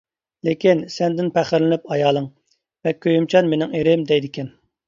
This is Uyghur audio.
لېكىن سەندىن پەخىرلىنىپ ئايالىڭ، «بەك كۆيۈمچان مىنىڭ ئىرىم» دەيدىكەن.